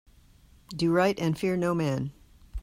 Do right and fear no man.